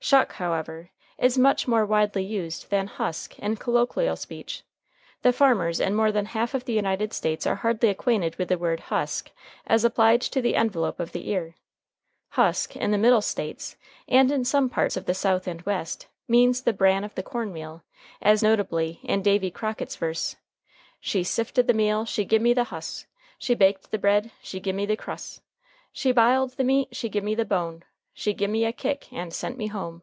Shuck, however, is much more widely used than husk in colloquial speech the farmers in more than half of the United States are hardly acquainted with the word husk as applied to the envelope of the ear. Husk, in the Middle States, and in some parts of the South and West, means the bran of the cornmeal, as notably in Davy Crockett's verse: "She sifted the meal, she gimme the hus'; She baked the bread, she gimme the crus'; She b'iled the meat, she gimme the bone; She gimme a kick and sent me home."